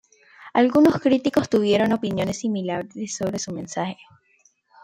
Algunos críticos tuvieron opiniones similares sobre su mensaje.